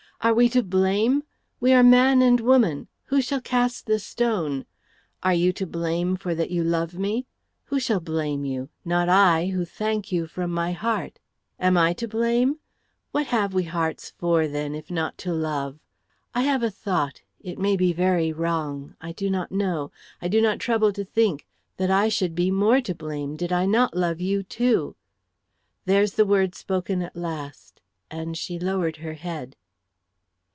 "Are we to blame? We are man and woman. Who shall cast the stone? Are you to blame for that you love me? Who shall blame you? Not I, who thank you from my heart. Am I to blame? What have we hearts for, then, if not to love? I have a thought it may be very wrong. I do not know. I do not trouble to think that I should be much more to blame did I not love you too. There's the word spoken at the last," and she lowered her head.